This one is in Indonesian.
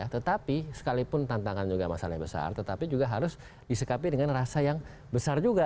tetapi sekalipun tantangan juga masalahnya besar tetapi juga harus disekapi dengan rasa yang besar juga